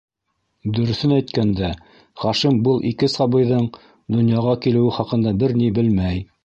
Дөрөҫөн әйткәндә, Хашим был ике сабыйҙың донъяға килеүе хаҡында бер ни белмәй.